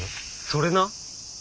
それな！